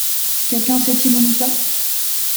Quelqu'un sait-il où nous sommes ?